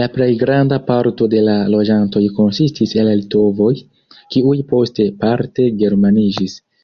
La plej granda parto de la loĝantoj konsistis el litovoj, kiuj poste parte germaniĝis.